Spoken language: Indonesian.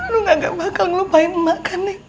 lu gak bakal ngelupain emak kan neng